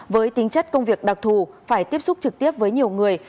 với tính chất công việc đặc thù phải tiếp xúc trực tiếp với nhiều người